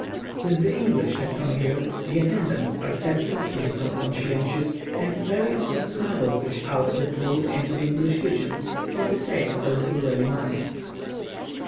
Since the English have come here, the attendants are said not to be so conscientious, and very often smuggle fish out of the pool into the English kitchens, for the sake of a little ready money.